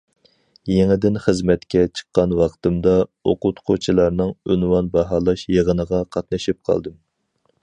يېڭىدىن خىزمەتكە چىققان ۋاقتىمدا ئوقۇتقۇچىلارنىڭ ئۇنۋان باھالاش يىغىنىغا قاتنىشىپ قالدىم.